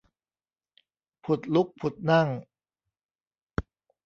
ผุดลุกผุดนั่ง